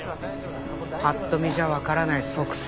パッと見じゃわからない足跡